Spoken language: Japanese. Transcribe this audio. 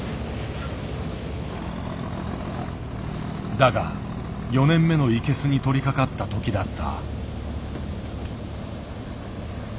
だが４年目のイケスに取りかかったときだった。